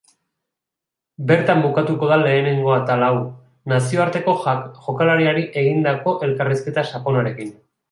Bertan bukatuko da lehenengo atal hau, nazioarteko jokalariari egindako elkarrizketa sakonarekin.